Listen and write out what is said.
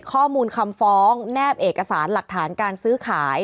ข้อมูลคำฟ้องแนบเอกสารหลักฐานการซื้อขาย